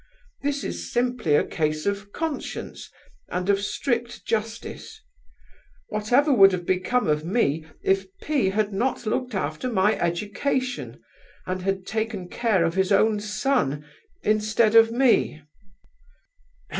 This is simply a case of conscience and of strict justice. Whatever would have become of me if P—— had not looked after my education, and had taken care of his own son instead of me?